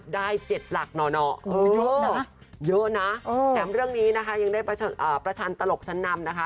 ได้๗หลักหน่อเยอะนะเยอะนะแถมเรื่องนี้นะคะยังได้ประชันตลกชั้นนำนะคะ